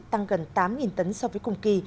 tăng gần tám tấn so với cùng kỳ